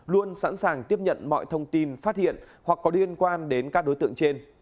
luôn sẵn sàng tiếp nhận mọi thông tin phát hiện hoặc có liên quan đến các đối tượng trên